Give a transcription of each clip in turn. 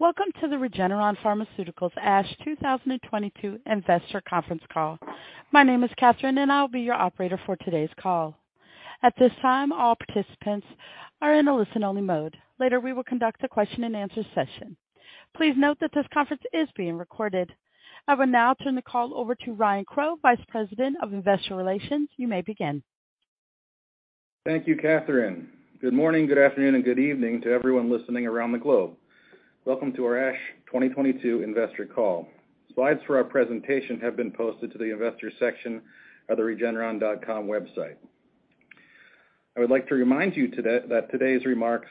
Welcome to the Regeneron Pharmaceuticals ASH 2022 Investor conference call. My name is Catherine, and I'll be your operator for today's call. At this time, all participants are in a listen-only mode. Later, we will conduct a question-and-answer session. Please note that this conference is being recorded. I will now turn the call over to Ryan Crowe, Vice President of Investor Relations. You may begin. Thank you, Catherine. Good morning, good afternoon, and good evening to everyone listening around the globe. Welcome to our ASH 2022 Investor Call. Slides for our presentation have been posted to the Investors section of the regeneron.com website. I would like to remind you today that today's remarks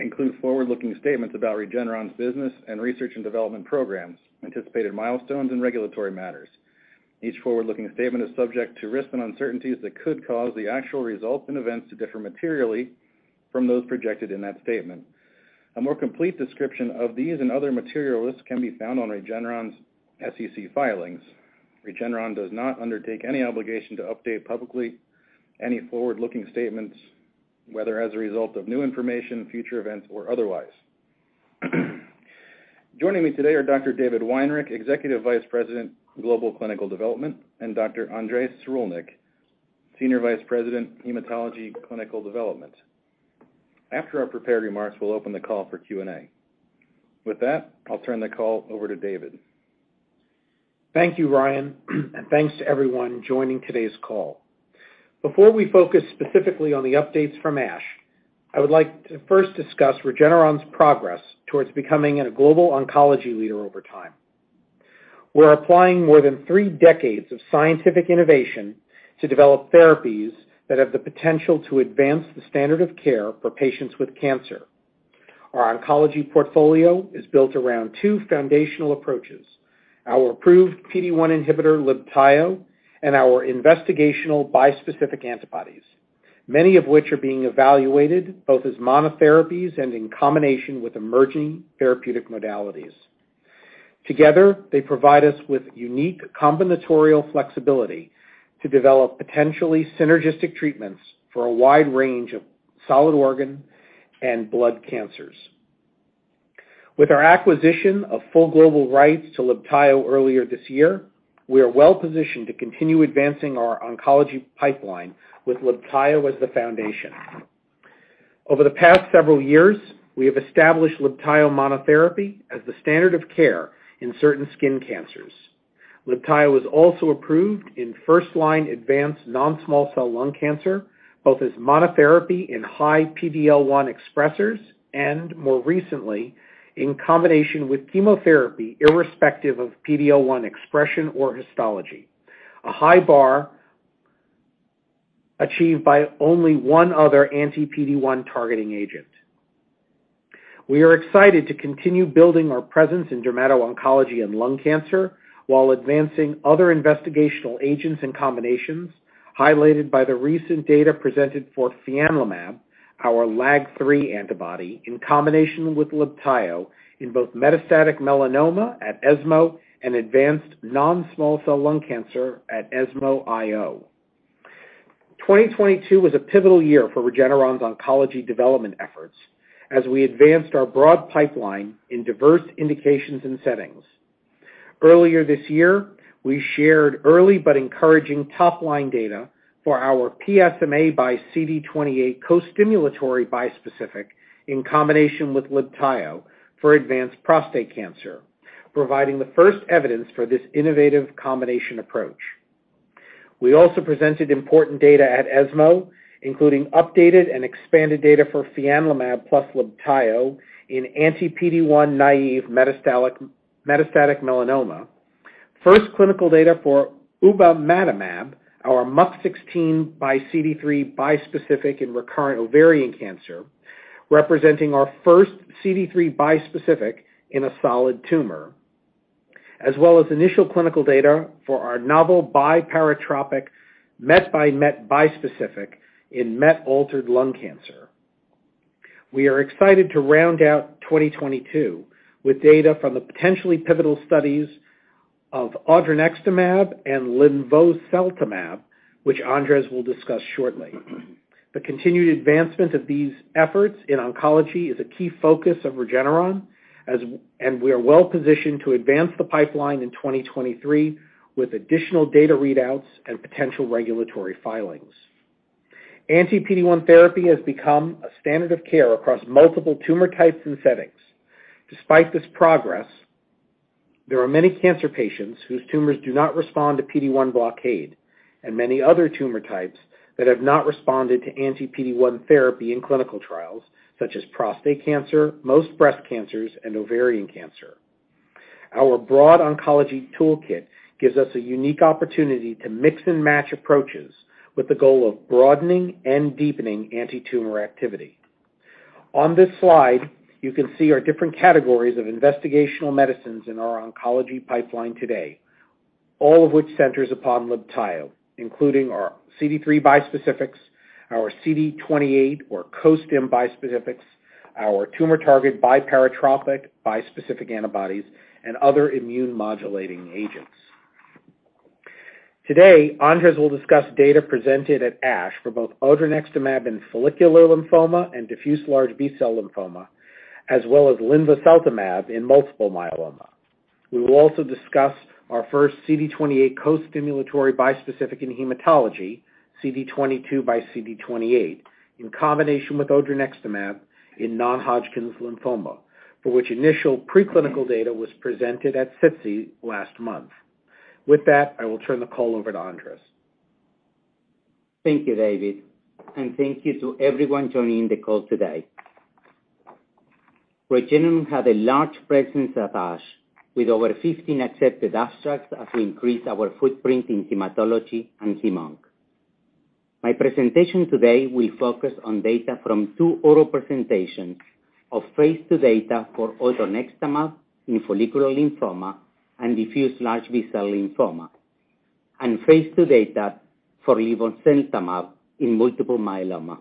include forward-looking statements about Regeneron's business and research and development programs, anticipated milestones, and regulatory matters. Each forward-looking statement is subject to risks and uncertainties that could cause the actual results and events to differ materially from those projected in that statement. A more complete description of these and other material risks can be found on Regeneron's SEC filings. Regeneron does not undertake any obligation to update publicly any forward-looking statements, whether as a result of new information, future events, or otherwise. Joining me today are Dr. David Weinreich, Executive Vice President, Global Clinical Development, and Dr. Andres Sirulnik, Senior Vice President, Hematology Clinical Development. After our prepared remarks, we'll open the call for Q&A. With that, I'll turn the call over to David. Thank you, Ryan, and thanks to everyone joining today's call. Before we focus specifically on the updates from ASH, I would like to first discuss Regeneron's progress towards becoming a global oncology leader over time. We're applying more than three decades of scientific innovation to develop therapies that have the potential to advance the standard of care for patients with cancer. Our oncology portfolio is built around two foundational approaches, our approved PD-1 inhibitor, Libtayo, and our investigational bispecific antibodies, many of which are being evaluated both as monotherapies and in combination with emerging therapeutic modalities. Together, they provide us with unique combinatorial flexibility to develop potentially synergistic treatments for a wide range of solid organ and blood cancers. With our acquisition of full global rights to Libtayo earlier this year, we are well-positioned to continue advancing our oncology pipeline with Libtayo as the foundation. Over the past several years, we have established Libtayo monotherapy as the standard of care in certain skin cancers. Libtayo was also approved in first-line advanced non-small cell lung cancer, both as monotherapy in high PD-L1 expressers and, more recently, in combination with chemotherapy, irrespective of PD-L1 expression or histology, a high bar achieved by only one other anti-PD-1 targeting agent. We are excited to continue building our presence in dermato-oncology and lung cancer while advancing other investigational agents and combinations highlighted by the recent data presented for fianlimab, our LAG-3 antibody, in combination with Libtayo in both metastatic melanoma at ESMO and advanced non-small cell lung cancer at ESMO IO. 2022 was a pivotal year for Regeneron's oncology development efforts as we advanced our broad pipeline in diverse indications and settings. Earlier this year, we shared early but encouraging top-line data for our PSMA by CD28 co-stimulatory bispecific in combination with Libtayo for advanced prostate cancer, providing the first evidence for this innovative combination approach. We also presented important data at ESMO, including updated and expanded data for fianlimab plus Libtayo in anti-PD-1 naive metastatic melanoma, first clinical data for ubamatamab, our MUC16 by CD3 bispecific in recurrent ovarian cancer, representing our first CD3 bispecific in a solid tumor, as well as initial clinical data for our novel biparatopic MET by MET bispecific in MET-altered lung cancer. We are excited to round out 2022 with data from the potentially pivotal studies of odronextamab and linvoseltamab, which Andres will discuss shortly. The continued advancement of these efforts in oncology is a key focus of Regeneron, and we are well-positioned to advance the pipeline in 2023 with additional data readouts and potential regulatory filings. Anti-PD-1 therapy has become a standard of care across multiple tumor types and settings. Despite this progress, there are many cancer patients whose tumors do not respond to PD-1 blockade and many other tumor types that have not responded to anti-PD-1 therapy in clinical trials, such as prostate cancer, most breast cancers, and ovarian cancer. Our broad oncology toolkit gives us a unique opportunity to mix and match approaches with the goal of broadening and deepening antitumor activity. On this slide, you can see our different categories of investigational medicines in our oncology pipeline today, all of which centers upon Libtayo, including our CD3 bispecifics, our CD28 or co-stim bispecifics, our tumor target biparatopic bispecific antibodies, and other immune-modulating agents. Today, Andres will discuss data presented at ASH for both odronextamab in follicular lymphoma and diffuse large B-cell lymphoma, as well as linvoseltamab in multiple myeloma. We will also discuss our first CD28 costimulatory bispecific in hematology, CD22 by CD28, in combination with odronextamab in non-Hodgkin's lymphoma, for which initial preclinical data was presented at SITC last month. I will turn the call over to Andres. Thank you, David. Thank you to everyone joining the call today. Regeneron had a large presence at ASH with over 15 accepted abstracts as we increase our footprint in hematology and hemonc. My presentation today will focus on data from two oral presentations of phase II data for odronextamab in follicular lymphoma and diffuse large B-cell lymphoma, and phase II data for linvoseltamab in multiple myeloma.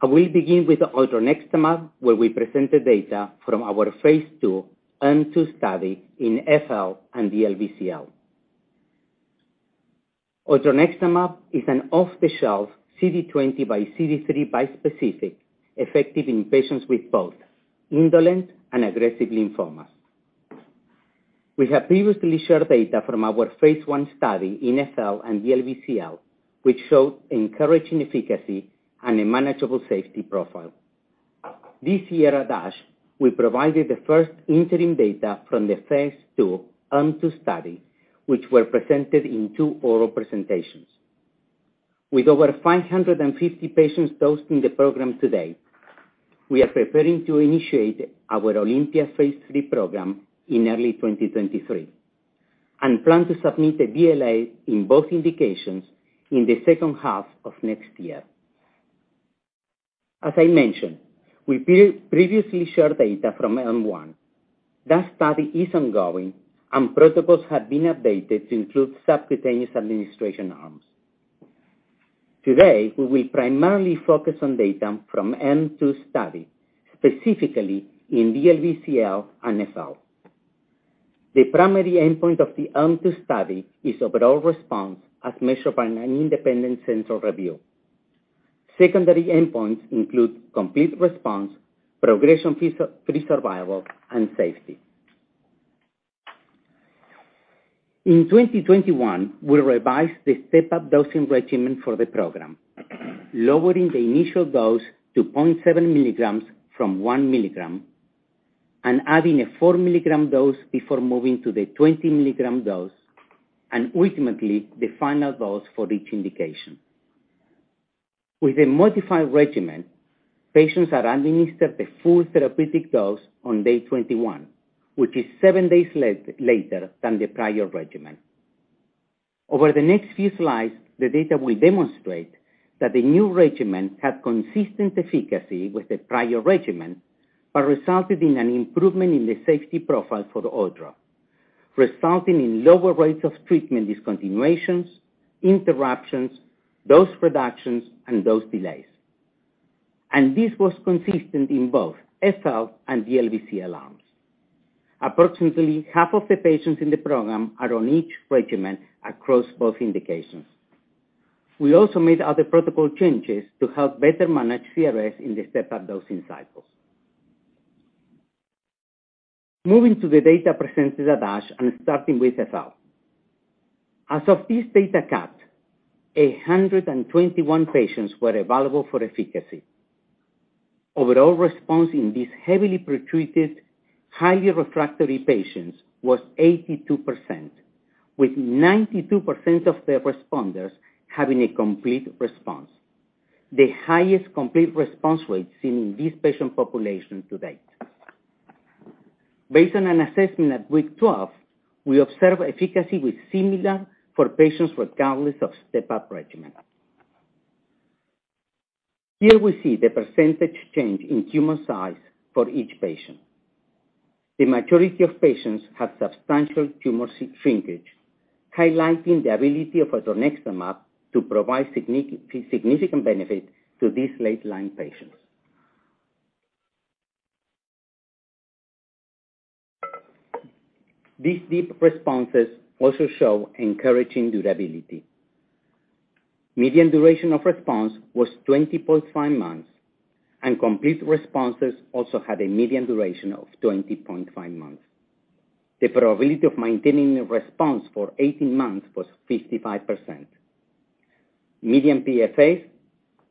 I will begin with odronextamab, where we present the data from our phase II ELM-2 study in FL and DLBCL. Odronextamab is an off-the-shelf CD20 by CD3 bispecific effective in patients with both indolent and aggressive lymphomas. We have previously shared data from our phase I study in FL and DLBCL, which showed encouraging efficacy and a manageable safety profile. This year at ASH, we provided the first interim data from the phase II ELM-2 study, which were presented in two oral presentations. With over 550 patients dosed in the program today, we are preparing to initiate our OLYMPIA phase III program in early 2023, and plan to submit a BLA in both indications in the second half of next year. As I mentioned, we previously shared data from ELM-1. That study is ongoing and protocols have been updated to include subcutaneous administration arms. Today, we will primarily focus on data from ELM-2 study, specifically in DLBCL and FL. The primary endpoint of the ELM-2 study is overall response as measured by an independent central review. Secondary endpoints include complete response, progression-free survival, and safety. In 2021, we revised the step-up dosing regimen for the program, lowering the initial dose to 0.7 mgs from 1 mg and adding a 4-mg dose before moving to the 20-mg dose, and ultimately the final dose for each indication. With a modified regimen, patients are administered the full therapeutic dose on day 21, which is seven days later than the prior regimen. Over the next few slides, the data will demonstrate that the new regimen had consistent efficacy with the prior regimen, but resulted in an improvement in the safety profile for the overall, resulting in lower rates of treatment discontinuations, interruptions, dose reductions, and dose delays. This was consistent in both FL and DLBCL arms. Approximately half of the patients in the program are on each regimen across both indications. We also made other protocol changes to help better manage CRS in the step-up dosing cycles. Moving to the data presented at ASH and starting with FL. As of this data cut, 121 patients were available for efficacy. Overall response in these heavily pre-treated, highly refractory patients was 82%, with 92% of the responders having a complete response, the highest complete response rate seen in this patient population to date. Based on an assessment at week 12, we observed efficacy was similar for patients regardless of step-up regimen. Here we see the percentage change in tumor size for each patient. The majority of patients had substantial tumor shrinkage, highlighting the ability of odronextamab to provide significant benefit to these late-line patients. These deep responses also show encouraging durability. Median duration of response was 20.5 months, and complete responses also had a median duration of 20.5 months. The probability of maintaining a response for 18 months was 55%. Median PFA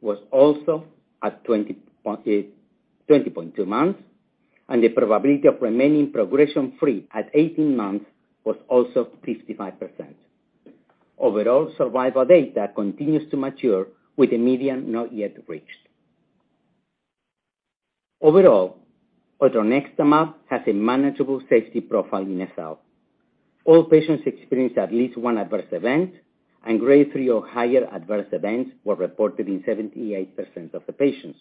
was also at 20.2 months, the probability of remaining progression free at 18 months was also 55%. Overall survival data continues to mature with a median not yet reached. Overall, odronextamab has a manageable safety profile in FL. All patients experienced at least one adverse event, grade 3 or higher adverse events were reported in 78% of the patients.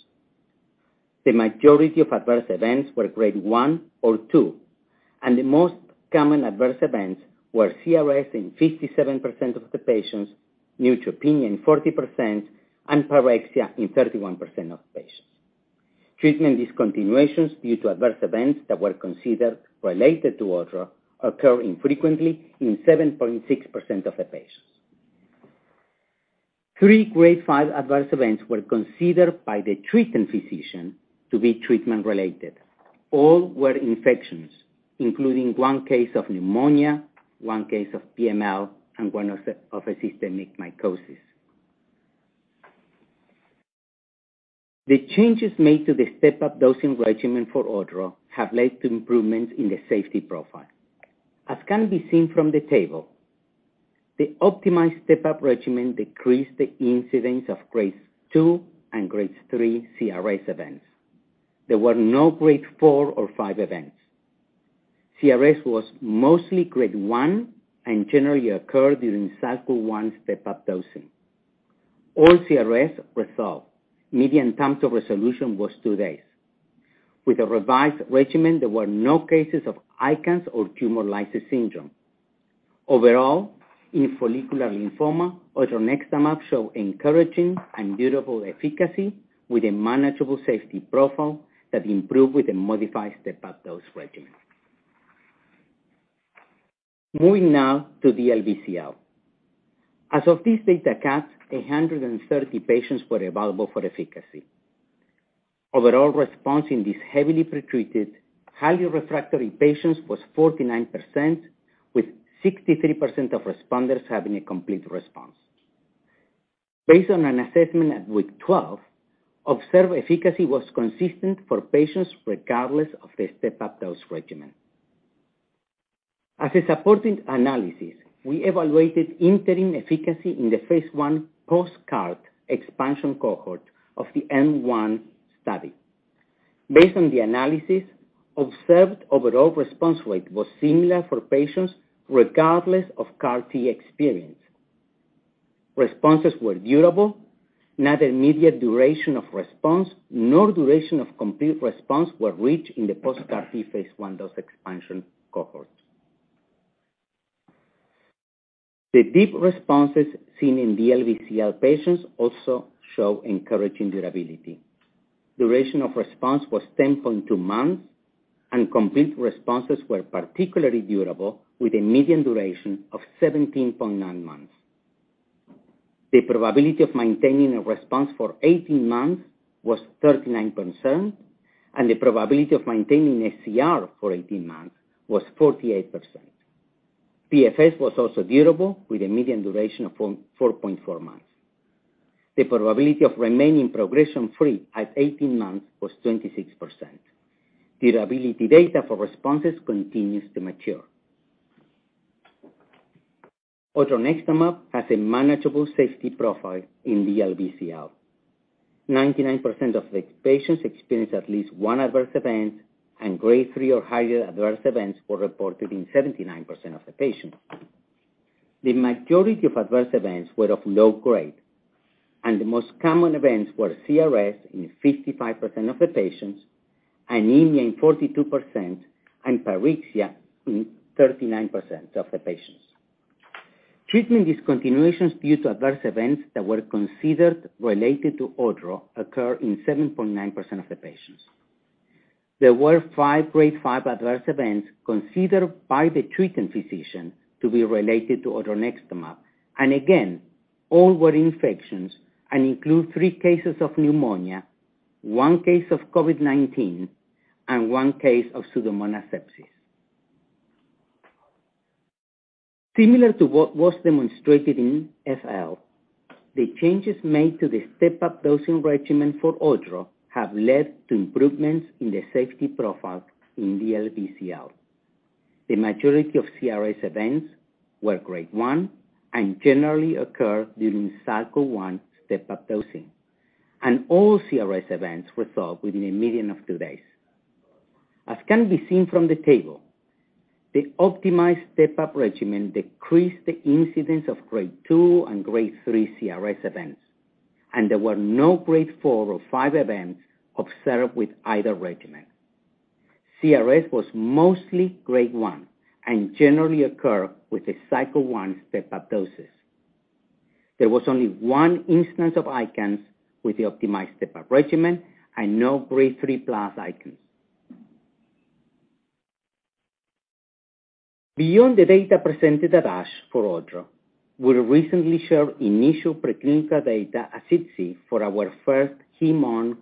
The majority of adverse events were grade 1 or 2, the most common adverse events were CRS in 57% of the patients, neutropenia in 40%, and pyrexia in 31% of patients. Treatment discontinuations due to adverse events that were considered related to odronextamab occur infrequently in 7.6% of the patients. 3 Grade 5 adverse events were considered by the treating physician to be treatment-related. All were infections, including 1 case of pneumonia, 1 case of PML, and 1 of a systemic mycosis. The changes made to the step-up dosing regimen for odronextamab have led to improvements in the safety profile. As can be seen from the table, the optimized step-up regimen decreased the incidence of Grades 2 and Grades 3 CRS events. There were no Grade 4 or 5 events. CRS was mostly Grade 1 and generally occurred during cycle 1 step-up dosing. All CRS resolved. Median time to resolution was two days. With a revised regimen, there were no cases of ICANS or tumor lysis syndrome. Overall, in follicular lymphoma, odronextamab showed encouraging and durable efficacy with a manageable safety profile that improved with a modified step-up dose regimen. Moving now to DLBCL. As of this data cut, 130 patients were available for efficacy. Overall response in these heavily pretreated, highly refractory patients was 49%, with 63% of responders having a complete response. Based on an assessment at week 12, observed efficacy was consistent for patients regardless of the step-up dose regimen. As a supporting analysis, we evaluated interim efficacy in the phase I post-CAR expansion cohort of the N-1 study. Based on the analysis, observed overall response rate was similar for patients regardless of CAR T experience. Responses were durable. Neither immediate duration of response nor duration of complete response were reached in the post-CAR T phase I dose expansion cohorts. The deep responses seen in DLBCL patients also show encouraging durability. Duration of response was 10.2 months, and complete responses were particularly durable, with a median duration of 17.9 months. The probability of maintaining a response for 18 months was 39%, and the probability of maintaining SCR for 18 months was 48%. PFS was also durable, with a median duration of 4.4 months. The probability of remaining progression-free at 18 months was 26%. Durability data for responses continues to mature. Otoxmapimod has a manageable safety profile in DLBCL. 99% of the patients experienced at least one adverse event, and Grade three or higher adverse events were reported in 79% of the patients. The majority of adverse events were of low grade, and the most common events were CRS in 55% of the patients, anemia in 42%, and pyrexia in 39% of the patients. Treatment discontinuations due to adverse events that were considered related to Otro occur in 7.9% of the patients. There were 5 Grade 5 adverse events considered by the treating physician to be related to odronextamab, again, all were infections and include three cases of pneumonia, one case of COVID-19, and one case of Pseudomonas sepsis. Similar to what was demonstrated in FL, the changes made to the step-up dosing regimen for odronextamab have led to improvements in the safety profile in DLBCL. The majority of CRS events were Grade 1 and generally occurred during cycle 1 step-up dosing, all CRS events resolved within a median of two days. As can be seen from the table, the optimized step-up regimen decreased the incidence of Grade 2 and Grade 3 CRS events, there were no Grade 4 or 5 events observed with either regimen. CRS was mostly Grade 1 and generally occurred with the cycle 1 step-up doses. There was only one instance of ICANS with the optimized step-up regimen and no Grade 3+ ICANS. Beyond the data presented at ASH for Otro, we recently shared initial preclinical data at SITC for our first human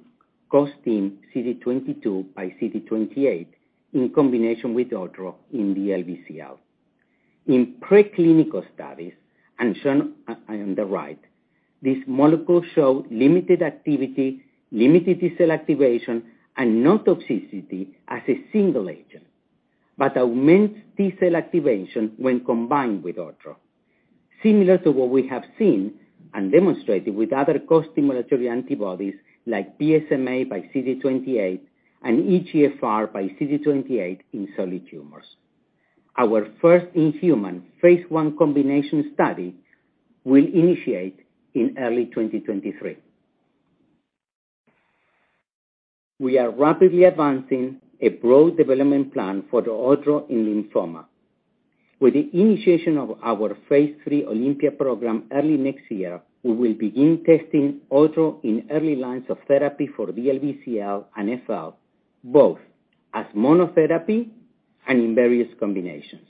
costim CD22 by CD28 in combination with Otro in DLBCL. In preclinical studies, and shown on the right, this molecule showed limited activity, limited T-cell activation, and no toxicity as a single agent, but immense T-cell activation when combined with Otro. Similar to what we have seen and demonstrated with other costimulatory antibodies like PSMA by CD28 and EGFR by CD28 in solid tumors. Our first in-human phase I combination study will initiate in early 2023. We are rapidly advancing a broad development plan for the odronextamab in lymphoma. With the initiation of our phase III OLYMPIA program early next year, we will begin testing odronextamab in early lines of therapy for DLBCL and FL, both as monotherapy and in various combinations.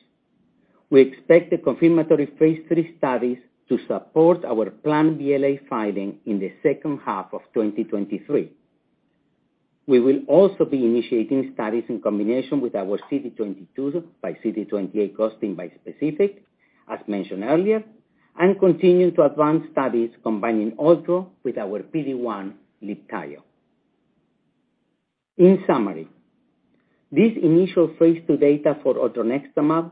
We expect the confirmatory phase III studies to support our planned BLA filing in the second half of 2023. We will also be initiating studies in combination with our CD22 by CD28 bispecific, as mentioned earlier, and continue to advance studies combining odronextamab with our PD-1, Libtayo. In summary, this initial phase II data for odronextamab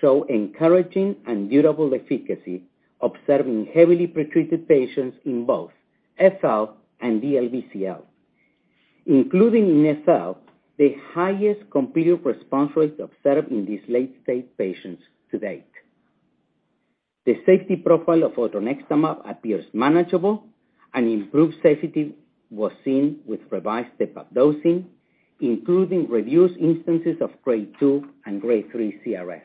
show encouraging and durable efficacy, observing heavily pre-treated patients in both FL and DLBCL, including in FL, the highest computed response rate observed in these late-stage patients to date. The safety profile of Otrexumab appears manageable. Improved safety was seen with revised step-up dosing, including reduced instances of grade 2 and grade 3 CRS.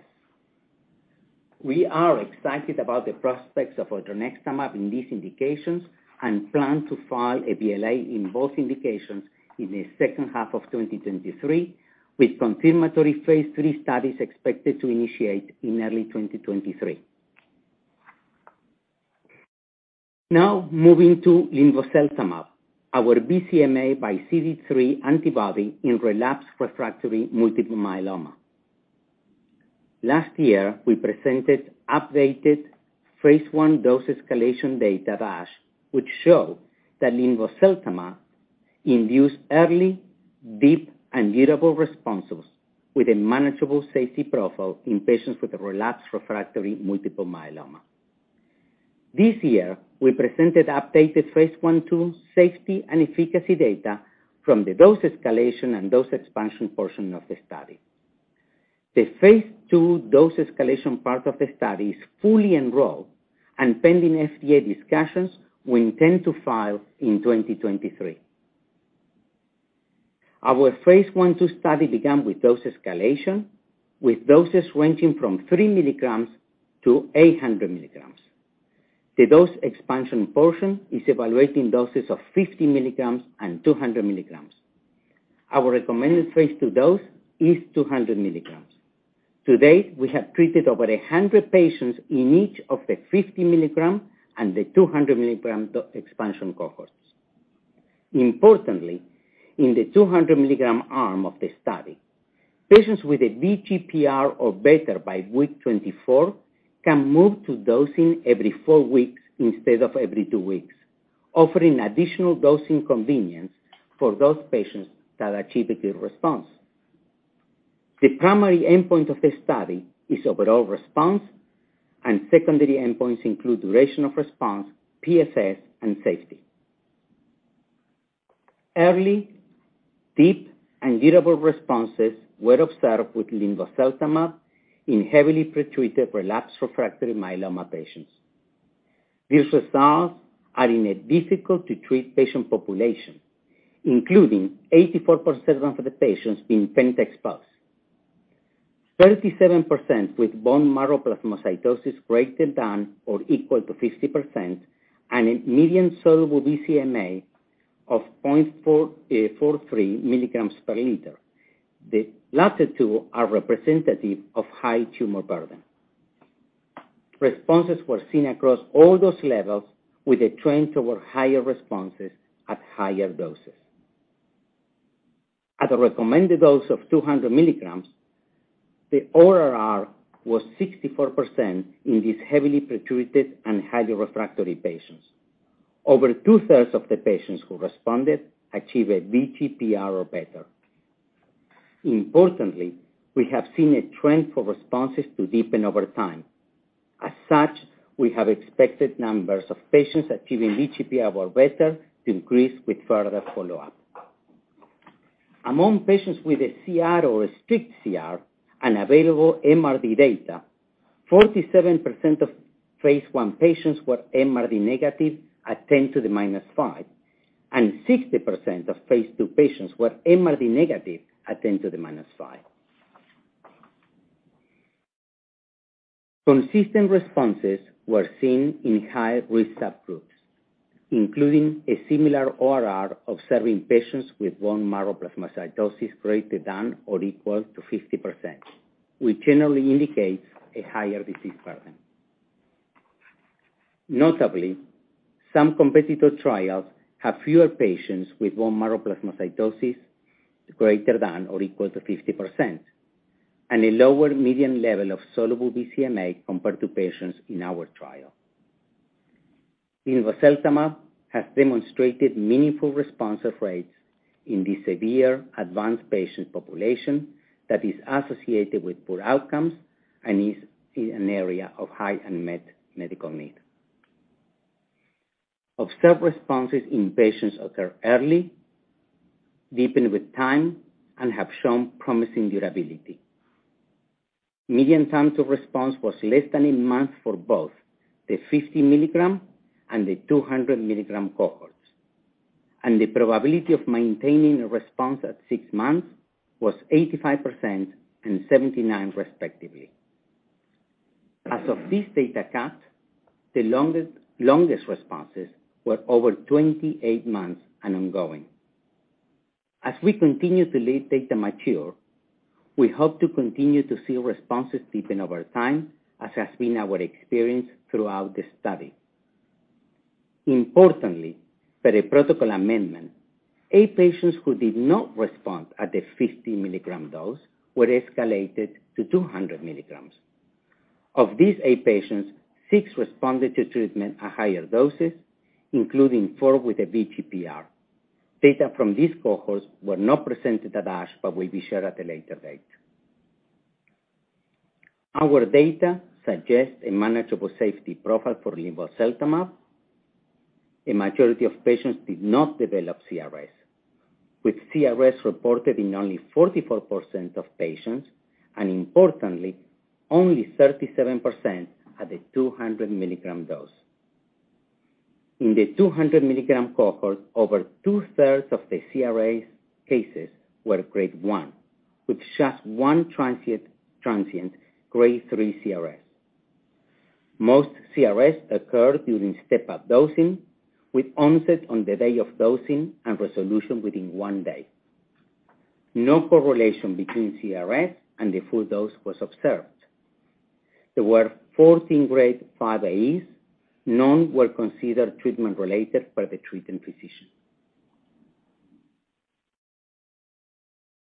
We are excited about the prospects of Otrexumab in these indications and plan to file a BLA in both indications in the second half of 2023, with confirmatory phase III studies expected to initiate in early 2023. Moving to Linvoseltamab, our BCMA by CD3 antibody in relapsed refractory multiple myeloma. Last year, we presented updated phase I dose escalation data at ASH, which show that Linvoseltamab induced early, deep, and durable responses with a manageable safety profile in patients with a relapsed refractory multiple myeloma. This year, we presented updated phase 1/2 safety and efficacy data from the dose escalation and dose expansion portion of the study. The phase II dose escalation part of the study is fully enrolled. Pending FDA discussions, we intend to file in 2023. Our phase 1/2 study began with dose escalation, with doses ranging from 3 mg to 800 mg. The dose expansion portion is evaluating doses of 50 mg and 200 mg. Our recommended phase II dose is 200 mg. To date, we have treated over 100 patients in each of the 50 mg and the 200 mg dose expansion cohorts. Importantly, in the 200 mg arm of the study, patients with a VGPR or better by week 24 can move to dosing every four weeks instead of every two weeks, offering additional dosing convenience for those patients that achieve a good response. The primary endpoint of this study is overall response, and secondary endpoints include duration of response, PFS, and safety. Early, deep, and durable responses were observed with linvoseltamab in heavily pre-treated relapsed refractory myeloma patients. These results are in a difficult to treat patient population, including 84% of the patients being penta-exposed, 37% with bone marrow plasmacytosis greater than or equal to 50%, and a median soluble BCMA of 0.443 mgs per liter. The latter two are representative of high tumor burden. Responses were seen across all dose levels with a trend toward higher responses at higher doses. At a recommended dose of 200 mgs, the ORR was 64% in these heavily pre-treated and highly refractory patients. Over two-thirds of the patients who responded achieved a VGPR or better. Importantly, we have seen a trend for responses to deepen over time. We have expected numbers of patients achieving VGPR or better to increase with further follow-up. Among patients with a CR or strict CR and available MRD data, 47% of phase I patients were MRD negative at 10 to the minus five, and 60% of phase II patients were MRD negative at 10 to the minus five. Consistent responses were seen in high-risk subgroups, including a similar ORR observed in patients with bone marrow plasmacytosis greater than or equal to 50%, which generally indicates a higher disease burden. Notably, some competitor trials have fewer patients with bone marrow plasmacytosis greater than or equal to 50%, and a lower median level of soluble BCMA compared to patients in our trial. linvoseltamab has demonstrated meaningful response rates in the severe advanced patient population that is associated with poor outcomes and is in an area of high unmet medical need. Observed responses in patients occur early, deepen with time, and have shown promising durability. Median time to response was less than a month for both the 50mg and the 200-mg cohorts. The probability of maintaining a response at six months was 85% and 79% respectively. As of this data cut, the longest responses were over 28 months and ongoing. As we continue to let data mature, we hope to continue to see responses deepen over time, as has been our experience throughout the study. Importantly, per a protocol amendment, eight patients who did not respond at the 50mg dose were escalated to 200mg. Of these eight patients, six responded to treatment at higher doses, including four with a VGPR. Data from these cohorts were not presented at ASH, but will be shared at a later date. Our data suggests a manageable safety profile for linvoseltamab. A majority of patients did not develop CRS, with CRS reported in only 44% of patients, and importantly, only 37% at a 200 mg dose. In the 200mg cohort, over two-thirds of the CRS cases were grade 1, with just one transient grade 3 CRS. Most CRS occurred during step-up dosing, with onset on the day of dosing and resolution within one day. No correlation between CRS and the full dose was observed. There were 14 grade 5 AEs. None were considered treatment-related per the treating physician.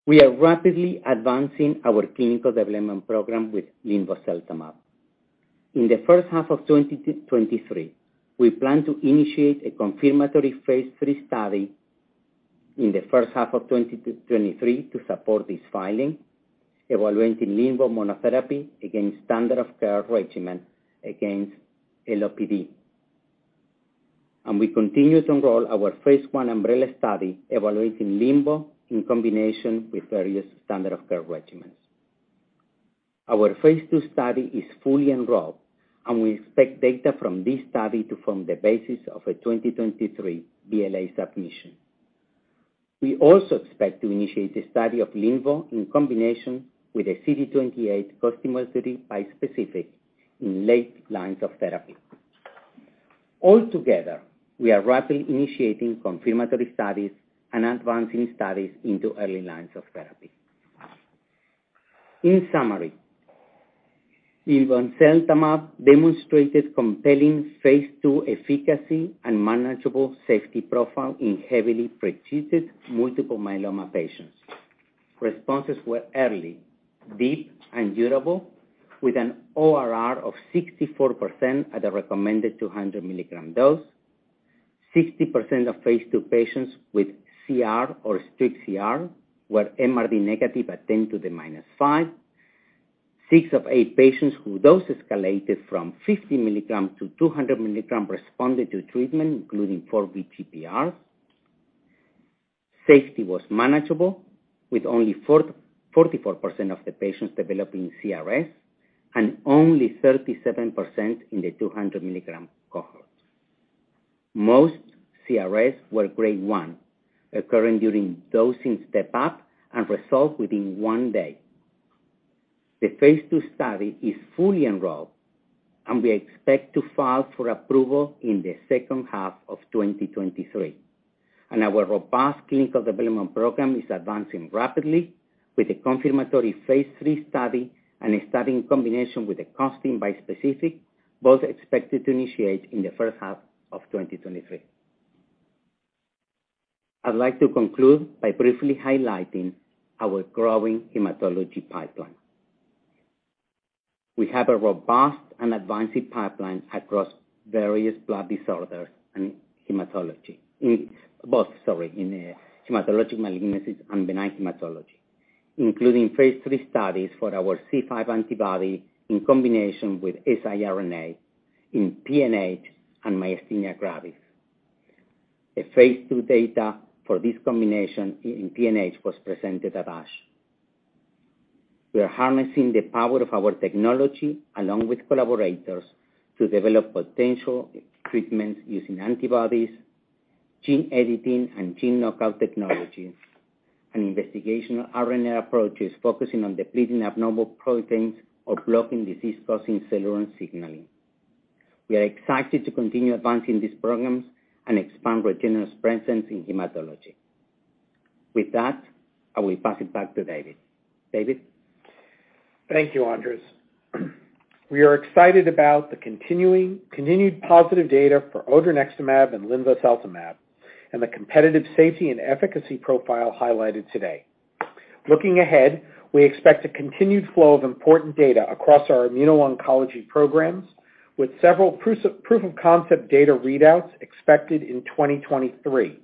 We are rapidly advancing our clinical development program with linvoseltamab. In the first half of 2023, we plan to initiate a confirmatory phase III study in the first half of 2023 to support this filing, evaluating linvo monotherapy against standard of care regimen against LOPD. We continue to enroll our phase I umbrella study evaluating linvo in combination with various standard of care regimens. Our phase II study is fully enrolled, and we expect data from this study to form the basis of a 2023 BLA submission. We also expect to initiate the study of linvo in combination with a CD28 costimulatory bispecific in late lines of therapy. Altogether, we are rapidly initiating confirmatory studies and advancing studies into early lines of therapy. In summary, linvoseltamab demonstrated compelling phase II efficacy and manageable safety profile in heavily pretreated multiple myeloma patients. Responses were early, deep, and durable, with an ORR of 64% at a recommended 200 mg dose. 60% of phase II patients with CR or strict CR were MRD negative at 10 to the minus five. 6 of 8 patients who dose escalated from 50 mg to 200 mg responded to treatment, including 4 VGPRs. Safety was manageable, with only 44% of the patients developing CRS and only 37% in the 200 mg cohort. Most CRS were grade 1, occurring during dosing step up and resolved within one day. The phase II study is fully enrolled, and we expect to file for approval in the second half of 2023. Our robust clinical development program is advancing rapidly with a confirmatory phase III study and a study in combination with a costim bispecific, both expected to initiate in the first half of 2023. I'd like to conclude by briefly highlighting our growing hematology pipeline. We have a robust and advancing pipeline across various blood disorders and hematology. In, both, sorry, in hematologic malignancies and benign hematology, including phase III studies for our C5 antibody in combination with siRNA in PNH and myasthenia gravis. A phase II data for this combination in PNH was presented at ASH. We are harnessing the power of our technology along with collaborators to develop potential treatments using antibodies, gene editing, and gene knockout technologies, and investigational RNA approaches focusing on depleting abnormal proteins or blocking disease-causing cellular signaling. We are excited to continue advancing these programs and expand Regeneron's presence in hematology. With that, I will pass it back to David. David? Thank you, Andres. We are excited about the continued positive data for odronextamab and linvoseltamab and the competitive safety and efficacy profile highlighted today. Looking ahead, we expect a continued flow of important data across our immuno-oncology programs, with several proof-of-concept data readouts expected in 2023,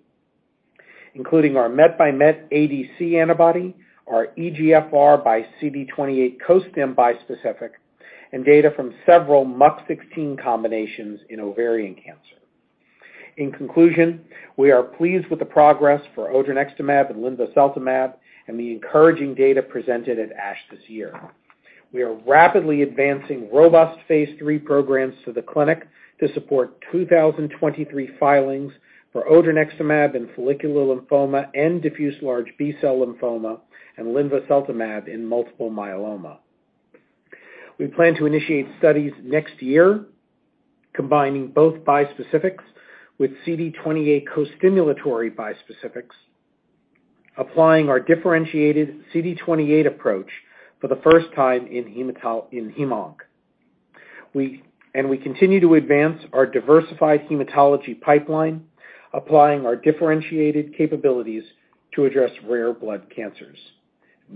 including our MET by MET ADC antibody, our EGFR by CD28 costim bispecific, and data from several MUC16 combinations in ovarian cancer. In conclusion, we are pleased with the progress for odronextamab and linvoseltamab and the encouraging data presented at ASH this year. We are rapidly advancing robust phase III programs to the clinic to support 2023 filings for odronextamab in follicular lymphoma and diffuse large B-cell lymphoma and linvoseltamab in multiple myeloma. We plan to initiate studies next year combining both bispecifics with CD28 costimulatory bispecifics, applying our differentiated CD28 approach for the first time in hemoc. We continue to advance our diversified hematology pipeline, applying our differentiated capabilities to address rare blood cancers.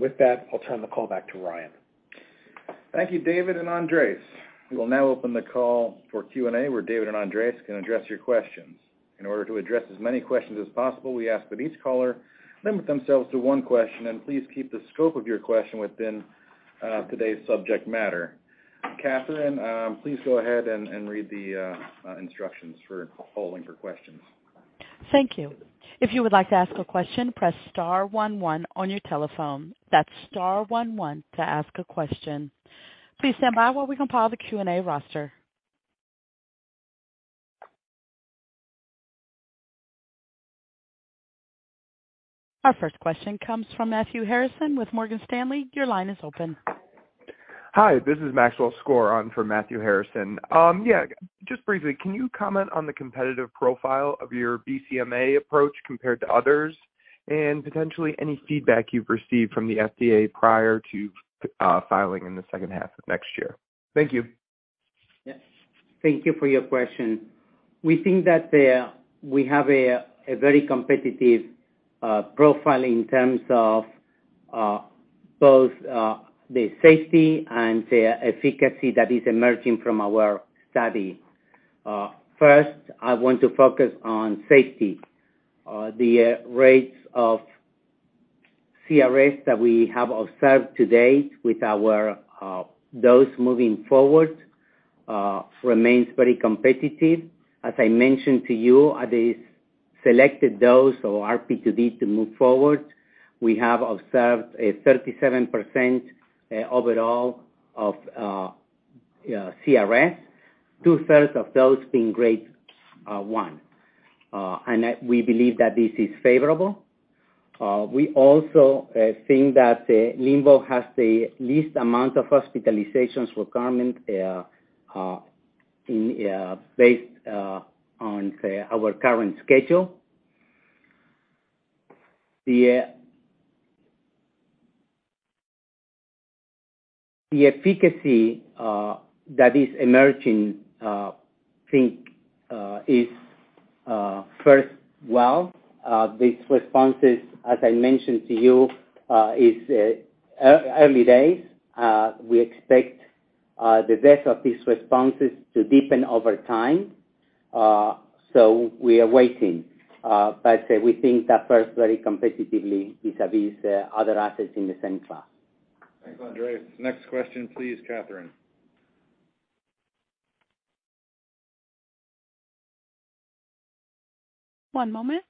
With that, I'll turn the call back to Ryan. Thank you, David and Andres. We will now open the call for Q&A, where David and Andres can address your questions. In order to address as many questions as possible, we ask that each caller limit themselves to one question, and please keep the scope of your question within today's subject matter. Catherine, please go ahead and read the instructions for calling for questions. Thank you. If you would like to ask a question, press star one one on your telephone. That's star one one to ask a question. Please stand by while we compile the Q&A roster. Our first question comes from Matthew Harrison with Morgan Stanley. Your line is open. Hi, this is Maxwell Skor on for Matthew Harrison. Yeah, just briefly, can you comment on the competitive profile of your BCMA approach compared to others? Potentially any feedback you've received from the FDA prior to filing in the second half of next year? Thank you. Yes. Thank you for your question. We think that we have a very competitive profile in terms of both the safety and the efficacy that is emerging from our study. First, I want to focus on safety. The rates of CRS that we have observed to date with our dose moving forward remains very competitive. As I mentioned to you, at a selected dose or RP2D to move forward, we have observed a 37% overall of CRS, two-thirds of those being grade one. We believe that this is favorable. We also think that linvo has the least amount of hospitalizations requirement in based on our current schedule. The efficacy that is emerging, I think, is first, well, these responses, as I mentioned to you, is early days. We expect the depth of these responses to deepen over time. We are waiting. We think that first very competitively vis-a-vis other assets in the same class. Thanks, Andres. Next question, please, Catherine. One moment.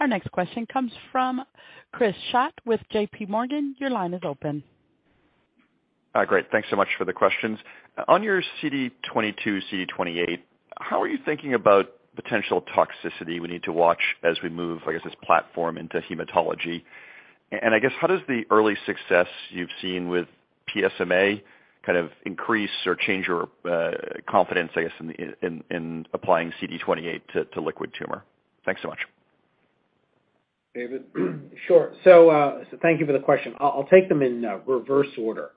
Our next question comes from Chris Schott with J.P. Morgan. Your line is open. Great. Thanks so much for the questions. On your CD22, CD28, how are you thinking about potential toxicity we need to watch as we move, I guess, this platform into hematology? I guess how does the early success you've seen with PSMA kind of increase or change your confidence, I guess, in, in applying CD28 to liquid tumor? Thanks so much. David? Sure. Thank you for the question. I'll take them in reverse order.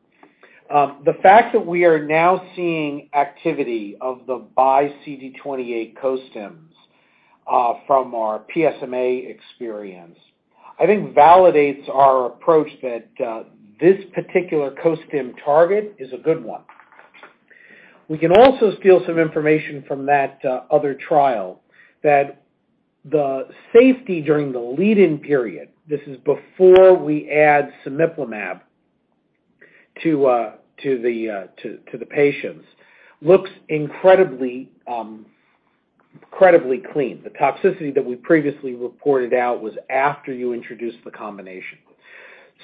The fact that we are now seeing activity of the bi CD28 costims from our PSMA experience, I think validates our approach that this particular costim target is a good one. We can also steal some information from that other trial that the safety during the lead-in period, this is before we add cemiplimab to the patients, looks incredibly incredibly clean. The toxicity that we previously reported out was after you introduced the combination.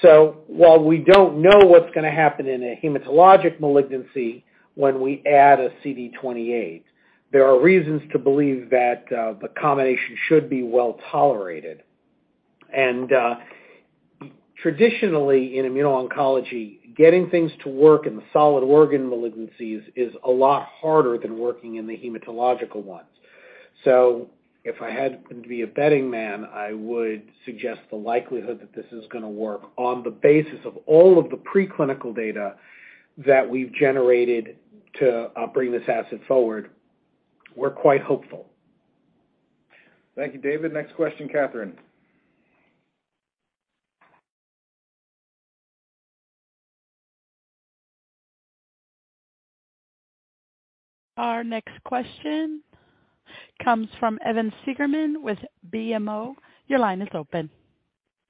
While we don't know what's gonna happen in a hematologic malignancy when we add a CD28, there are reasons to believe that the combination should be well-tolerated. Traditionally in immuno-oncology, getting things to work in the solid organ malignancies is a lot harder than working in the hematological ones. If I had to be a betting man, I would suggest the likelihood that this is gonna work on the basis of all of the preclinical data that we've generated to bring this asset forward, we're quite hopeful. Thank you, David. Next question, Catherine. Our next question comes from Evan Seigerman with BMO. Your line is open.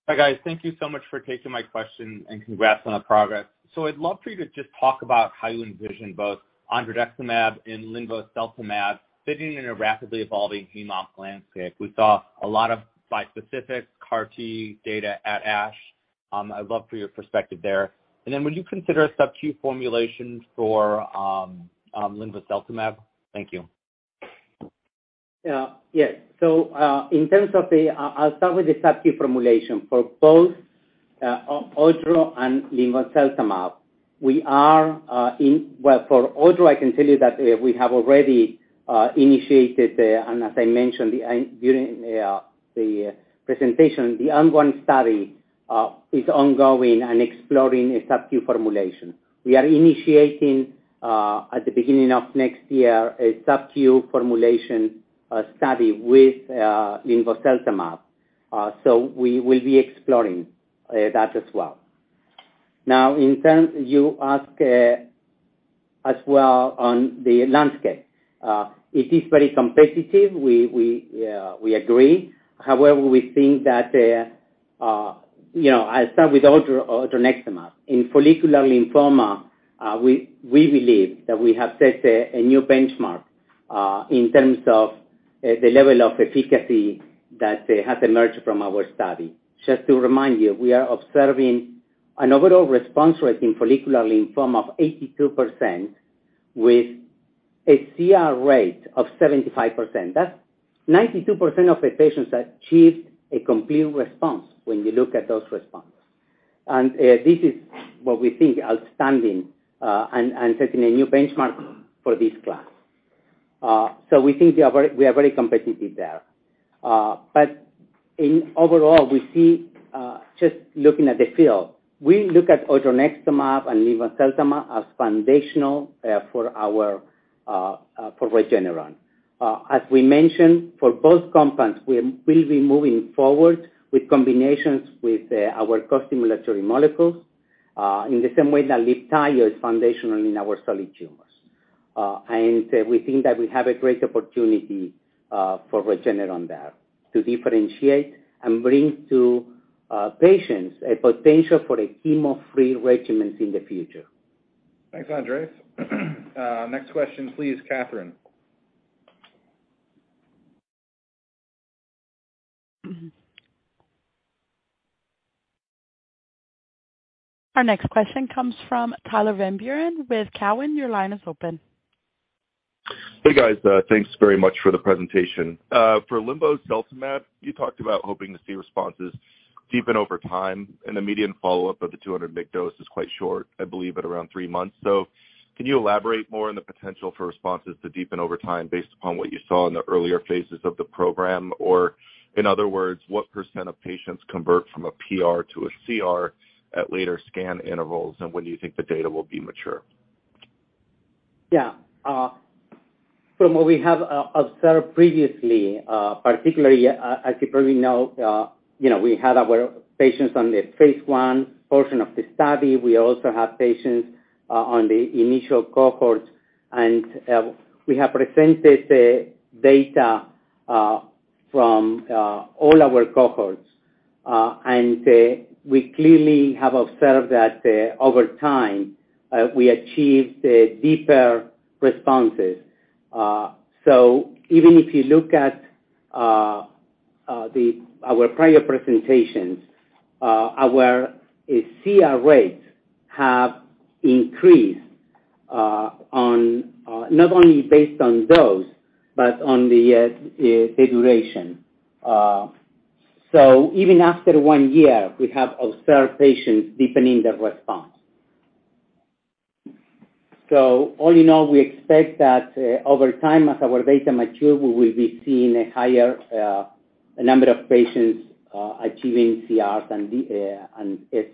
Hi, guys. Thank you so much for taking my question, and congrats on the progress. I'd love for you to just talk about how you envision both odronextamab and linvoseltamab fitting in a rapidly evolving hemoc landscape. We saw a lot of bispecific CAR T data at ASH. I'd love for your perspective there. Would you consider a SubQ formulation for linvoseltumab? Thank you. Yeah. Yes. In terms of the, I'll start with the SubQ formulation. For both otro and linvoseltamab, we are in. Well, for otro, I can tell you that we have already initiated and as I mentioned, during the presentation, the ongoing study is ongoing and exploring a SubQ formulation. We are initiating at the beginning of next year, a SubQ formulation study with linvoseltamab. We will be exploring that as well. In terms, you ask as well on the landscape. It is very competitive. We agree. However, we think that, you know, I'll start with otro, odronextamab. In follicular lymphoma, we believe that we have set a new benchmark in terms of the level of efficacy that has emerged from our study. Just to remind you, we are observing an overall response rate in follicular lymphoma of 82% with a CR rate of 75%. That's 92% of the patients achieved a complete response when you look at those responses. This is what we think outstanding and setting a new benchmark for this class. We think we are very competitive there. In overall, we see, just looking at the field, we look at odronextamab and linvoseltamab as foundational for our for Regeneron. As we mentioned, for both compounds, we'll be moving forward with combinations with our costimulatory molecules in the same way that Libtayo is foundational in our solid tumors. We think that we have a great opportunity for Regeneron there to differentiate and bring to patients a potential for a chemo-free regimens in the future. Thanks, Andres. Next question, please, Catherine. Our next question comes from Tyler Van Buren with Cowen. Your line is open. Hey, guys, thanks very much for the presentation. For linvoseltamab, you talked about hoping to see responses deepen over time, and the median follow-up of the 200 mg dose is quite short, I believe, at around 3 months. Can you elaborate more on the potential for responses to deepen over time based upon what you saw in the earlier phases of the program? In other words, what % of patients convert from a PR to a CR at later scan intervals, and when do you think the data will be mature? Yeah. From what we have observed previously, particularly, as you probably know, you know, we had our patients on the phase I portion of the study. We also have patients on the initial cohorts, and we have presented the data from all our cohorts. We clearly have observed that over time, we achieved deeper responses. Even if you look at our prior presentations, our CR rates have increased on not only based on dose, but on the duration. Even after one year, we have observed patients deepening their response. All in all, we expect that over time, as our data mature, we will be seeing a higher number of patients achieving CRs and D, and S,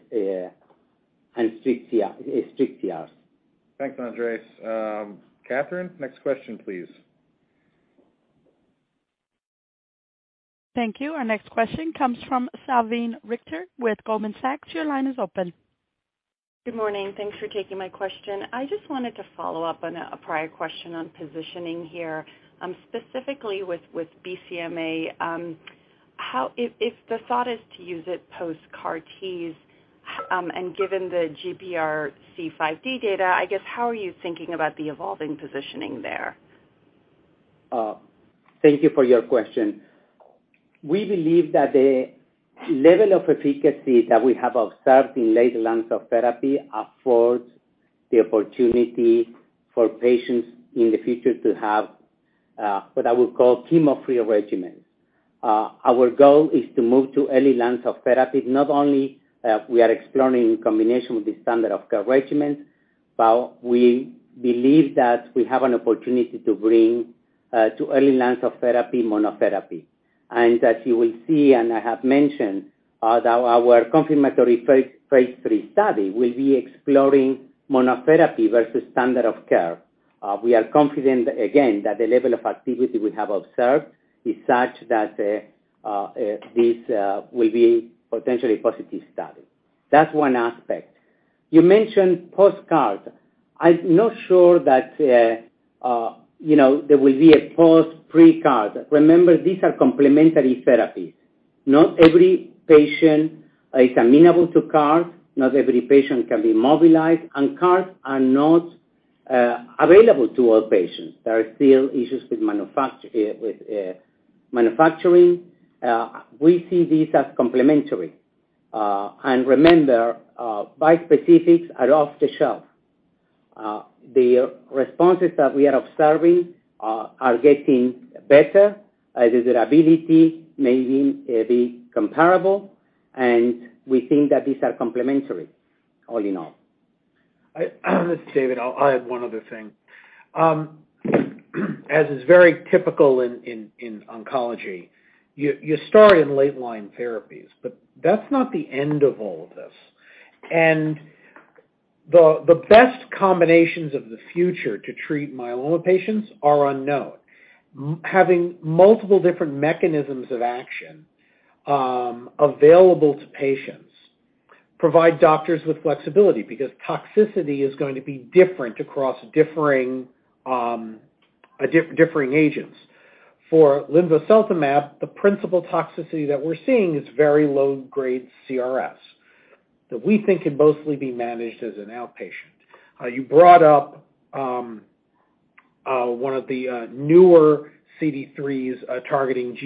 and strict CRs. Thanks, Andres. Catherine, next question, please. Thank you. Our next question comes from Salveen Richter with Goldman Sachs. Your line is open. Good morning. Thanks for taking my question. I just wanted to follow up on a prior question on positioning here, specifically with BCMA. If the thought is to use it post CAR-Ts and given the GPRC5D data, I guess how are you thinking about the evolving positioning there? Thank you for your question. We believe that the level of efficacy that we have observed in late lines of therapy affords the opportunity for patients in the future to have what I would call chemo-free regimens. Our goal is to move to early lines of therapy, not only we are exploring in combination with the standard of care regimen, but we believe that we have an opportunity to bring to early lines of therapy monotherapy. As you will see, and I have mentioned that our complementary phase III study will be exploring monotherapy versus standard of care. We are confident again that the level of activity we have observed is such that this will be potentially a positive study. That's one aspect. You mentioned post CAR. I'm not sure that, you know, there will be a post pre-CAR. Remember, these are complementary therapies. Not every patient is amenable to CAR, not every patient can be mobilized, and CARs are not... Available to all patients. There are still issues with manufacturing. We see these as complementary. Remember, bispecifics are off the shelf. The responses that we are observing are getting better. The durability may be comparable, and we think that these are complementary. All in all. This is David. I'll add one other thing. As is very typical in, in oncology, you start in late line therapies, but that's not the end of all of this. The, the best combinations of the future to treat myeloma patients are unknown. Having multiple different mechanisms of action, available to patients provide doctors with flexibility because toxicity is going to be different across differing agents. For linvoseltamab, the principal toxicity that we're seeing is very low-grade CRS that we think can mostly be managed as an outpatient. You brought up one of the newer CD3s, targeting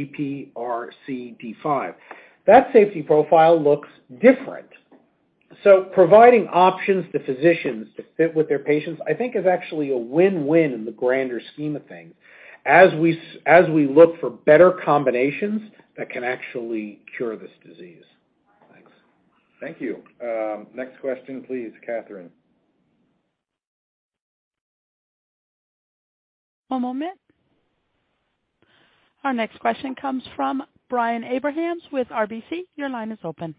GPRC5D. That safety profile looks different. Providing options to physicians to fit with their patients, I think is actually a win-win in the grander scheme of things as we look for better combinations that can actually cure this disease. Thanks. Thank you. Next question, please, Catherine. One moment. Our next question comes from Brian Abrahams with RBC. Your line is open.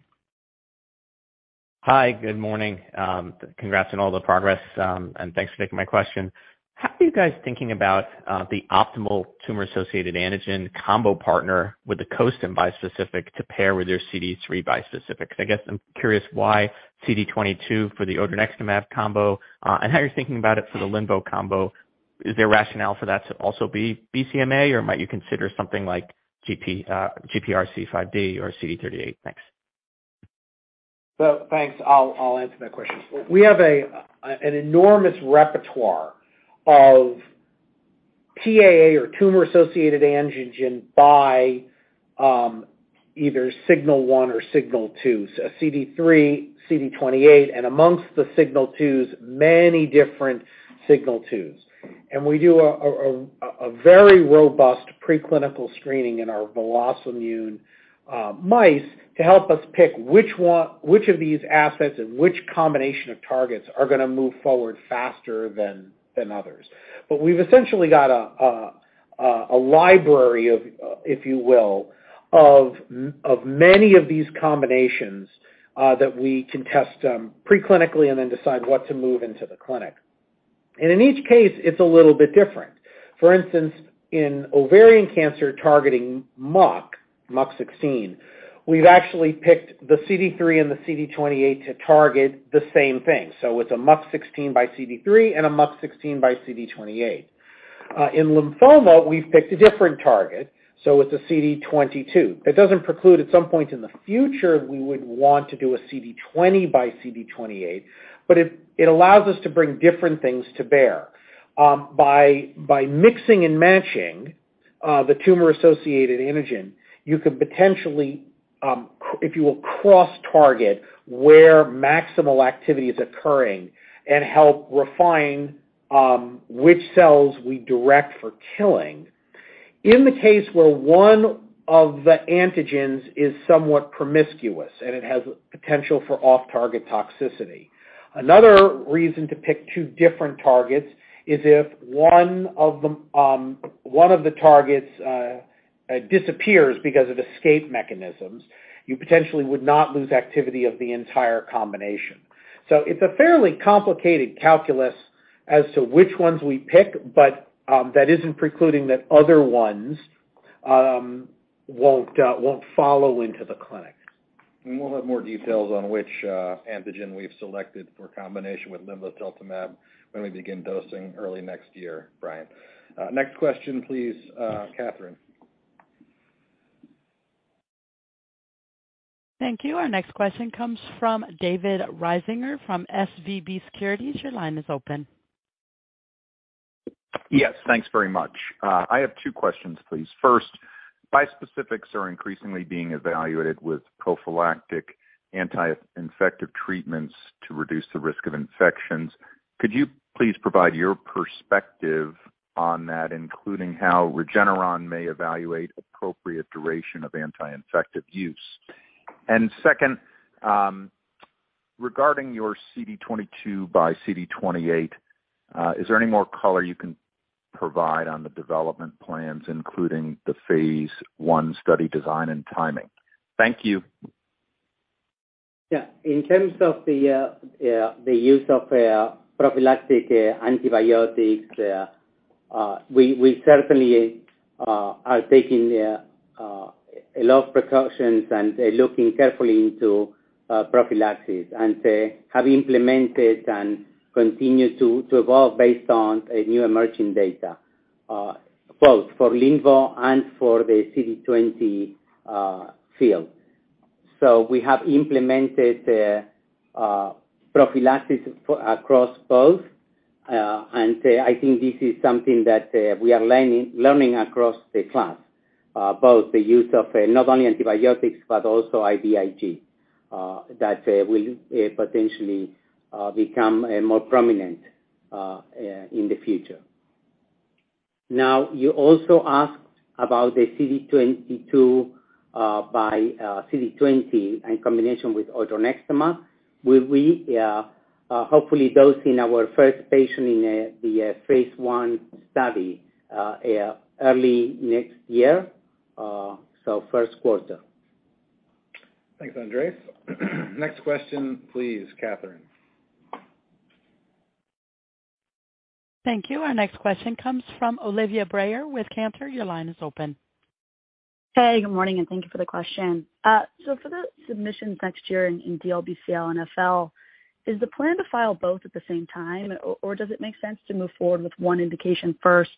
Hi. Good morning. congrats on all the progress. Thanks for taking my question. How are you guys thinking about the optimal tumor-associated antigen combo partner with the coast in bispecific to pair with your CD3 bispecific? I guess I'm curious why CD22 for the odronextamab combo, and how you're thinking about it for the linvo combo. Is there a rationale for that to also be BCMA, or might you consider something like GPRC5D or CD38? Thanks. Thanks. I'll answer that question. We have an enormous repertoire of TAA or tumor-associated antigen by either signal one or signal two, so CD3, CD28, and amongst the signal twos, many different signal twos. We do a very robust preclinical screening in our VelocImmune mice to help us pick which of these assets and which combination of targets are gonna move forward faster than others. We've essentially got a library of, if you will, of many of these combinations that we can test preclinically and then decide what to move into the clinic. In each case, it's a little bit different. For instance, in ovarian cancer targeting MUC16, we've actually picked the CD3 and the CD28 to target the same thing. It's a MUC16 by CD3 and a MUC16 by CD28. In lymphoma, we've picked a different target, so it's a CD22. It doesn't preclude at some point in the future, we would want to do a CD20 by CD28, but it allows us to bring different things to bear. By mixing and matching the tumor-associated antigen, you could potentially, if you will, cross-target where maximal activity is occurring and help refine which cells we direct for killing in the case where one of the antigens is somewhat promiscuous, and it has potential for off-target toxicity. Another reason to pick two different targets is if one of the targets disappears because of escape mechanisms, you potentially would not lose activity of the entire combination. It's a fairly complicated calculus as to which ones we pick, but that isn't precluding that other ones won't follow into the clinic. We'll have more details on which antigen we've selected for combination with linvoseltamab when we begin dosing early next year, Brian. Next question, please, Catherine. Thank you. Our next question comes from David Risinger from SVB Securities. Your line is open. Yes, thanks very much. I have two questions, please. First, bispecifics are increasingly being evaluated with prophylactic anti-infective treatments to reduce the risk of infections. Could you please provide your perspective on that, including how Regeneron may evaluate appropriate duration of anti-infective use? Second, regarding your CD22 by CD28, is there any more color you can provide on the development plans, including the phase I study design and timing? Thank you. Yeah. In terms of the use of prophylactic antibiotics, we certainly are taking a lot of precautions and looking carefully into prophylaxis and have implemented and continue to evolve based on new emerging data, both for linvo and for the CD20 field. We have implemented prophylaxis across both. I think this is something that we are learning across the class, both the use of not only antibiotics but also IVIG, that will potentially become more prominent in the future. You also asked about the CD22 by CD20 in combination with odronextamab. We are hopefully dosing our first patient in the phase I study early next year, so first quarter. Thanks, Andres. Next question, please, Catherine. Thank you. Our next question comes from Olivia Breyer with Cantor. Your line is open. Hey, good morning, and thank you for the question. For the submissions next year in DLBCL and FL, is the plan to file both at the same time, or does it make sense to move forward with one indication first,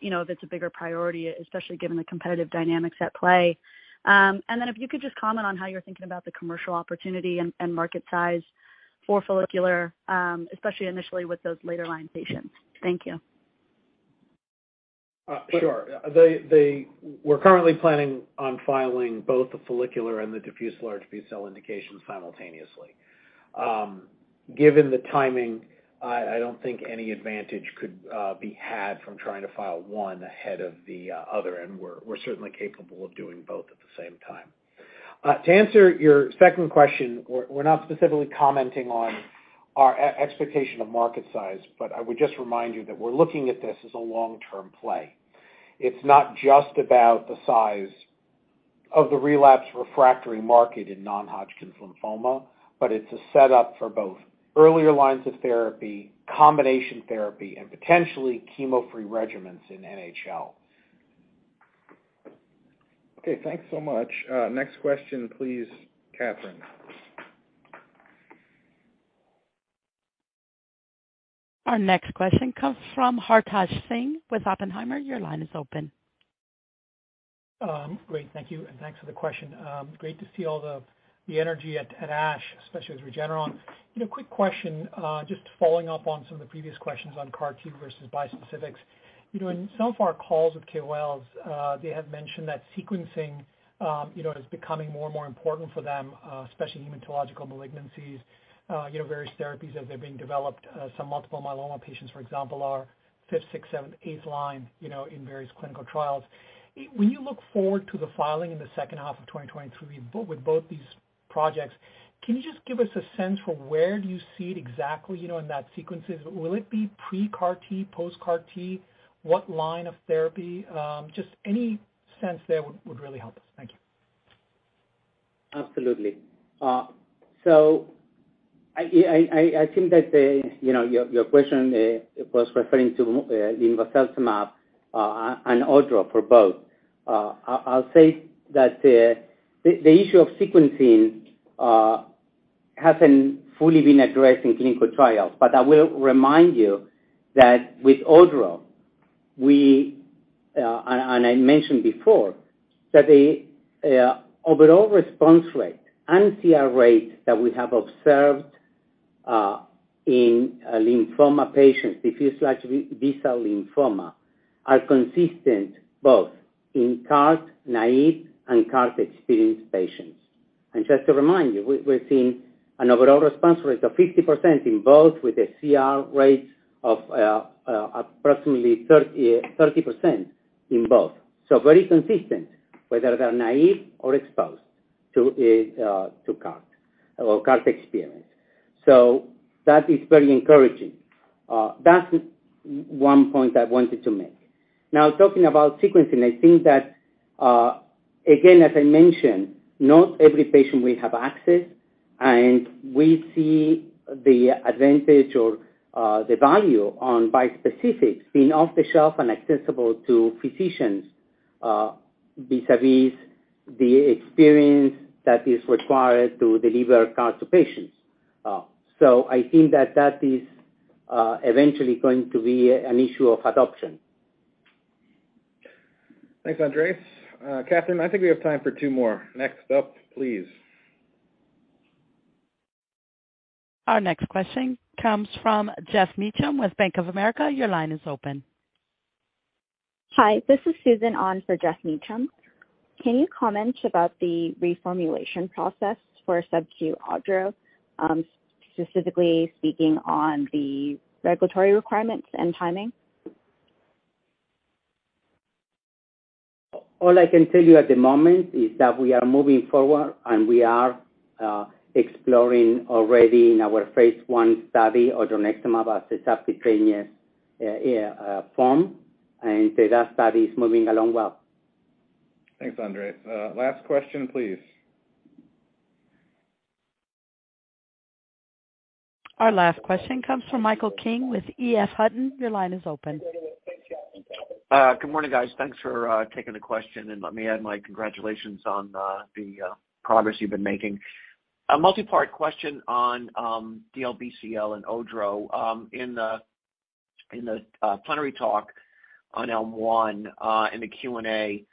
you know, if it's a bigger priority, especially given the competitive dynamics at play? If you could just comment on how you're thinking about the commercial opportunity and market size for follicular, especially initially with those later line patients. Thank you. Sure. We're currently planning on filing both the follicular and the diffuse large B-cell indications simultaneously. Given the timing, I don't think any advantage could be had from trying to file one ahead of the other, and we're certainly capable of doing both at the same time. To answer your second question, we're not specifically commenting on our expectation of market size, but I would just remind you that we're looking at this as a long-term play. It's not just about the size of the relapse refractory market in non-Hodgkin's lymphoma, but it's a setup for both earlier lines of therapy, combination therapy, and potentially chemo-free regimens in NHL. Thanks so much. Next question, please, Catherine. Our next question comes from Hartaj Singh with Oppenheimer. Your line is open. Great, thank you, and thanks for the question. Great to see all the energy at ASH, especially with Regeneron. You know, quick question, just following up on some of the previous questions on CAR T versus bispecifics. You know, in some of our calls with KOLs, they have mentioned that sequencing, you know, is becoming more and more important for them, especially hematological malignancies, various therapies as they're being developed. Some multiple myeloma patients, for example, are fifth, sixth, seventh, eighth line, you know, in various clinical trials. When you look forward to the filing in the second half of 2023 with both these projects, can you just give us a sense for where do you see it exactly, you know, in that sequences? Will it be pre-CAR T, post-CAR T? What line of therapy? Just any sense there would really help us. Thank you. Absolutely. I think that, you know, your question was referring to linvoseltamab and ODRO for both. I'll say that the issue of sequencing hasn't fully been addressed in clinical trials. I will remind you that with ODRO, we and I mentioned before that the overall response rate and CR rate that we have observed in lymphoma patients, diffuse large B-cell lymphoma, are consistent both in CAR T-naive and CAR T-experienced patients. Just to remind you, we're seeing an overall response rate of 50% in both with a CR rate of approximately 30% in both. Very consistent whether they're naive or exposed to CAR T or CAR T experienced. That is very encouraging. That's 1 point I wanted to make. Talking about sequencing, I think that again, as I mentioned, not every patient will have access, and we see the advantage or the value on bispecifics being off the shelf and accessible to physicians, vis-a-vis the experience that is required to deliver CAR T to patients. I think that that is eventually going to be an issue of adoption. Thanks, Andres. Catherine, I think we have time for two more. Next up, please. Our next question comes from Geoff Meacham with Bank of America. Your line is open. Hi, this is Susan on for Geoff Meacham. Can you comment about the reformulation process for subQ ODRO, specifically speaking on the regulatory requirements and timing? All I can tell you at the moment is that we are moving forward, and we are exploring already in our phase I study odronextamab as a subcutaneous form, and so that study is moving along well. Thanks, Andres. Last question, please. Our last question comes from Michael King with EF Hutton. Your line is open. Good morning, guys. Thanks for taking the question, and let me add my congratulations on the progress you've been making. A multi-part question on DLBCL and ODRO. In the plenary talk on ELM-1, in the Q&A,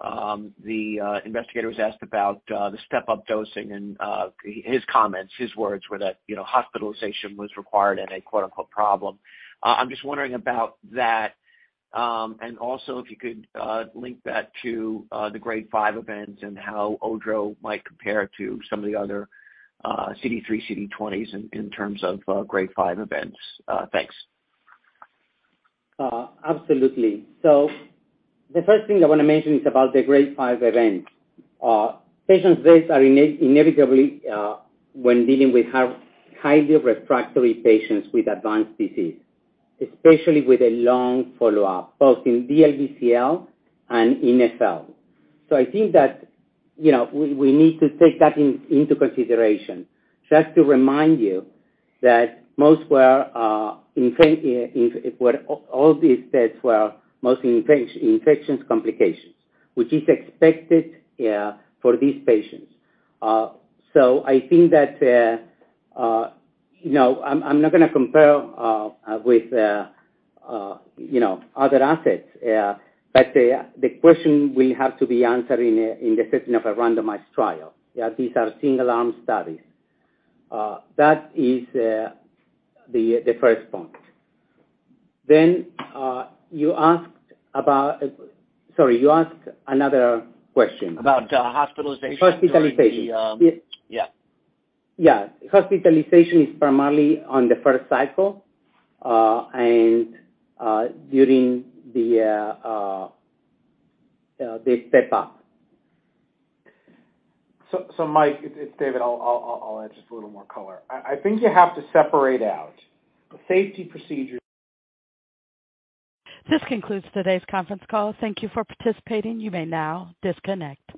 the investigator was asked about the step up dosing and his comments, his words were that, you know, hospitalization was required and a quote, unquote, problem. I'm just wondering about that, and also if you could link that to the grade 5 events and how ODRO might compare to some of the other CD3, CD20s in terms of grade 5 events. Thanks. Absolutely. The first thing I wanna mention is about the grade 5 event. Patients deaths are inevitably when dealing with highly refractory patients with advanced disease, especially with a long follow-up, both in DLBCL and in SL. I think that, you know, we need to take that into consideration. Just to remind you that most were infections complications, which is expected for these patients. I think that, you know, I'm not gonna compare with, you know, other assets, but the question will have to be answered in the setting of a randomized trial. Yeah, these are single-arm studies. That is the first point. Sorry, you asked another question. About hospitalization. Hospitalization. The, yeah. Yeah. Hospitalization is primarily on the first cycle, and during the step up. Mike it's David. I'll add just a little more color. I think you have to separate out the safety procedure- This concludes today's conference call. Thank you for participating. You may now disconnect.